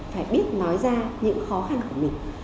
phải biết nói ra những khó khăn của mình